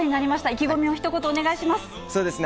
意気込みをひと言お願いします。